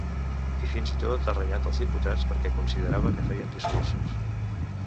I fins i tot ha renyat els diputats perquè considerava que feien discursos.